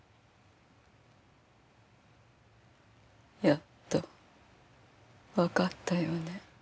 やっとわかったようね。